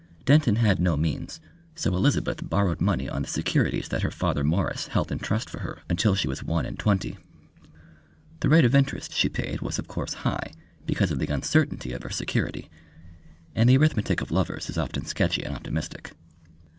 Denton had no means, so Elizabeth borrowed money on the securities that her father Mwres held in trust for her until she was one and twenty. The rate of interest she paid was of course high, because of the uncertainty of her security, and the arithmetic of lovers is often sketchy and optimistic.